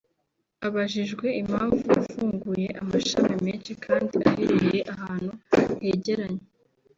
Abajijwe impamvu yafunguye amashami menshi kandi aherereye ahantu hegeranye